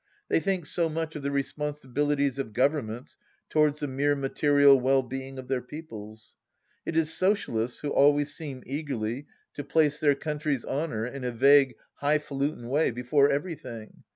They think so much of the responsibilities of Governments towards the mere material well being of their peoples. It is Socialists who always seem eagerly to place their coimtry's honour, in a vague high falutin' way, before Everything